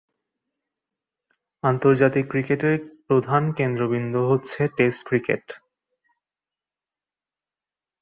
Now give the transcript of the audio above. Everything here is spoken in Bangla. আন্তর্জাতিক ক্রিকেটের প্রধান কেন্দ্রবিন্দু হচ্ছে টেস্ট ক্রিকেট।